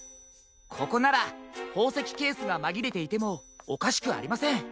ここならほうせきケースがまぎれていてもおかしくありません。